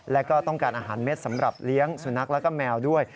แล้วก็ต้องการอาหารเม็ดสำหรับเลี้ยงสุนัขแล้วก็แมวด้วย